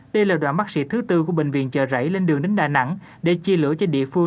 đây là đoạn bác sĩ thứ tư của bệnh viện chợ rẫy lên đường đến đà nẵng để chia lửa cho địa phương